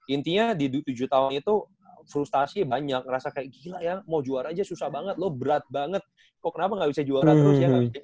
intinya di tujuh tahun itu frustasi banyak ngerasa kayak gila ya mau juara aja susah banget loh berat banget kok kenapa gak bisa juara terus ya